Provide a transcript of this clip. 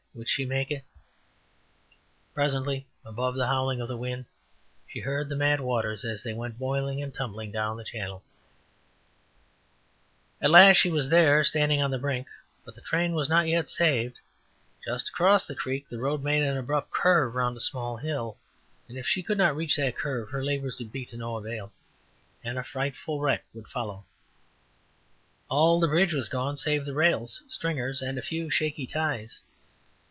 would she make it! Presently, above the howling of the wind she heard the mad waters as they went boiling and tumbling down the channel. [Illustration: "After many efforts I finally reached the lowest cross arm."] At last she was there, standing on the brink. But the train was not yet saved. Just across the creek the road made an abrupt curve around a small hill, and if she could not reach that curve her labors would be to no avail, and a frightful wreck would follow. All the bridge was gone save the rails, stringers and a few shaky ties.